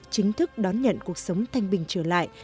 chính thức đón nhận cuộc sống thanh bình trở lại